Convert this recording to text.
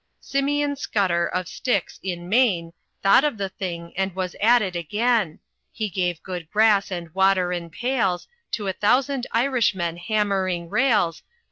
"Simeon Scudder of Styx, in Maine, Thought of the thing and was at it again; He gave good grass and water in pails To a thousand Irishmen hammering rails.